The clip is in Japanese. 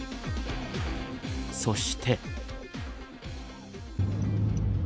そして。